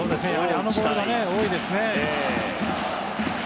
あのボールが多いですね。